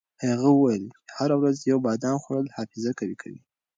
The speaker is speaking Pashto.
هغه وویل چې هره ورځ یو بادام خوړل حافظه قوي کوي.